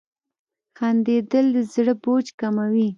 • خندېدل د زړه بوج کموي.